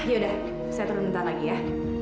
yaudah saya turun nanti lagi ya